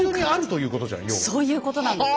そういうことなんです。